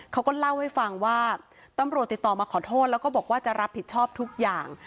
เขาก็เล่าให้ฟังว่าตำรวจติดต่อมาขอโทษแล้วก็บอกว่าจะรับผิดชอบทุกอย่าง